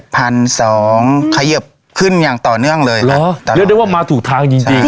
พันสองขยิบขึ้นอย่างต่อเนื่องเลยเหรอแต่เรียกได้ว่ามาถูกทางจริงจริง